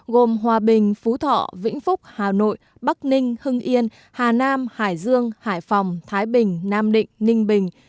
gồm hòa bình phú thọ vĩnh phúc hà nội bắc ninh hưng yên hà nam hải dương hải phòng thái bình nam định ninh bình